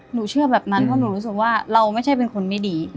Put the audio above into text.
เชื่อแบบนั้นเพราะหนูรู้สึกว่าเราไม่ใช่เป็นคนไม่ดี